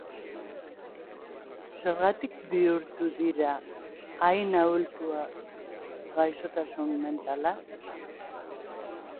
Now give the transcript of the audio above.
Zergatik bihurtu dira hain ohikoak gaixotasun mentalak?